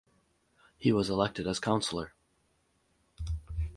He was elected as councilor.